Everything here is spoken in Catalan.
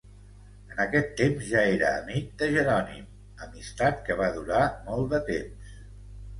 En aquest temps ja era amic de Jerònim, amistat que va durar molt de temps.